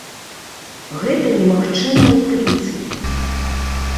Гэта немагчыма ў прынцыпе.